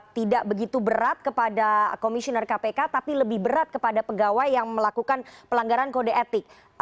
tidak begitu berat kepada komisioner kpk tapi lebih berat kepada pegawai yang melakukan pelanggaran kode etik